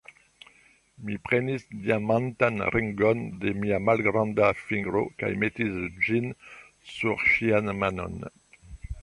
Mi prenis diamantan ringon de mia malgranda fingro kaj metis ĝin sur ŝian manon.